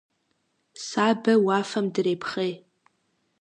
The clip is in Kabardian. Сабэ уафэм дрепхъей.